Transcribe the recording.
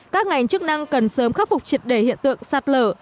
các ngành chức năng cần sớm khắc phục triệt đề hiện tượng sạt lở